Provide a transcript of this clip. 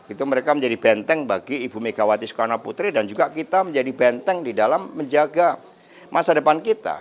itu mereka menjadi benteng bagi ibu megawati soekarno putri dan juga kita menjadi benteng di dalam menjaga masa depan kita